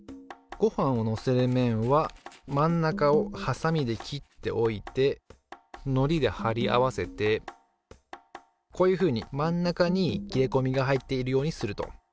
ごはんをのせる面は真ん中をハサミで切っておいてのりではり合わせてこういうふうに真ん中に切れこみが入っているようにすると。